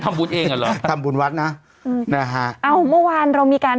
ทำบุญเองอ่ะเหรอทำบุญวัดนะนะฮะเขามาวันเรามีการ